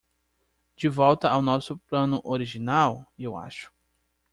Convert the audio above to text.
De volta ao nosso plano original? eu acho.